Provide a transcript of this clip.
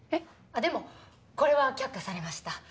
あっでもこれは却下されました。